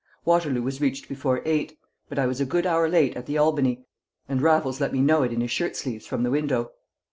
Waterloo was reached before eight, but I was a good hour late at the Albany, and Raffles let me know it in his shirt sleeves from the window.